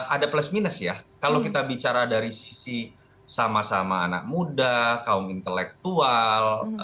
ada plus minus ya kalau kita bicara dari sisi sama sama anak muda kaum intelektual